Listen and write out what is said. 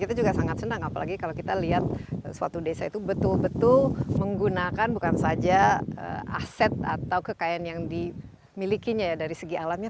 kita juga sangat senang apalagi kalau kita lihat suatu desa itu betul betul menggunakan bukan saja aset atau kekayaan yang dimilikinya ya dari segi alamnya